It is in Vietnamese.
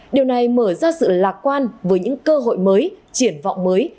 điều này mở ra sự lạc quan với những cơ hội mới triển vọng mới